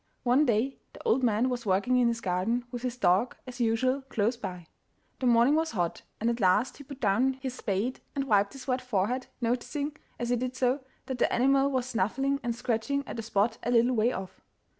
One day the old man was working in his garden, with his dog, as usual, close by. The morning was hot, and at last he put down his spade and wiped his wet forehead, noticing, as he did so, that the animal was snuffling and scratching at a spot a little way off.